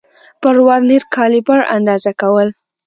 پر ورنیر کالیپر اندازه کول